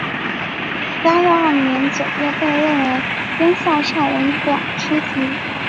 嘉佑二年九月被任为编校昭文馆书籍。